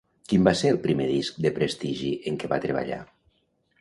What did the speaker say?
Quin va ser el primer disc de prestigi en què va treballar?